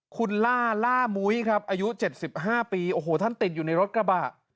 คุณล่าล่ามุ้ยครับอายุ๗๕ปีโอ้โหท่านติดอยู่ในรถกระบะ